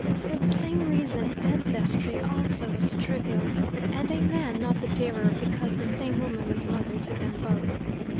For the same reason ancestry also was trivial, and a man not the dearer because the same woman was mother to them both.